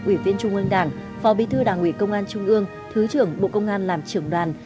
ủy viên trung ương đảng phó bí thư đảng ủy công an trung ương thứ trưởng bộ công an làm trưởng đoàn